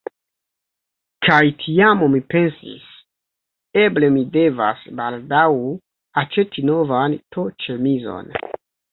Kaj tiam mi pensis: eble mi devas baldaŭ aĉeti novan t-ĉemizon.